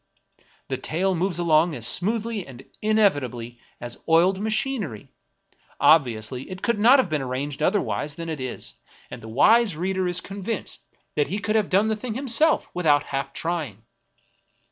The tale moves along as smoothly and inevitably as oiled machinery ; obviously, it could not have been arranged otherwise than it is; and the wise reader is 14 Julian Hawthorne convinced that he could have done the thing himself with out half trying.